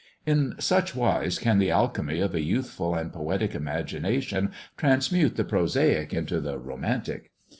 In such wise can the alchemy of a youthful and poetic imagination transmute the prosaic into the romantic.